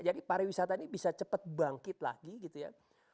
jadi para wisata ini bisa cepat bangkit lagi gitu ya